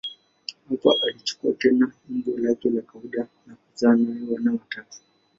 Hapa alichukua tena umbo lake la kawaida na kuzaa naye wana watatu.